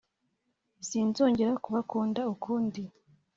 sinzongera kubakunda ukundi,